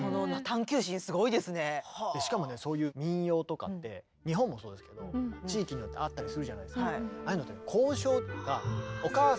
しかもねそういう民謡とかって日本もそうですけど地域によってあったりするじゃないですか。